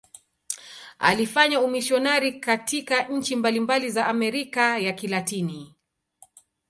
Alifanya umisionari katika nchi mbalimbali za Amerika ya Kilatini.